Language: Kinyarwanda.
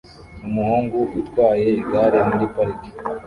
Umuhungu utwaye igare muri parike